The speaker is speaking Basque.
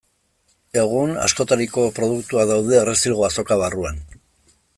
Egun, askotariko produktuak daude Errezilgo Azoka barruan.